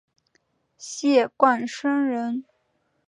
谢冠生人。